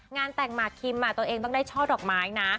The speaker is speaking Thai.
งานแต่งหมากคิมตัวเองต้องได้ช่อดอกไม้นะ